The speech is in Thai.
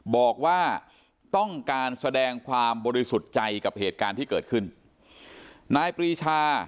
บอกว่าต้องการแสดงความบริสุทธิ์ใจกับเหตุการณ์ที่เกิดขึ้นนายปรีชา